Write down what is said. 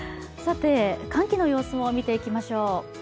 寒気の様子も見ていきましょう。